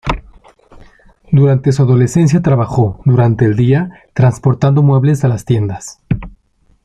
Durante su adolescencia trabajó, durante el día, transportando muebles a las tiendas.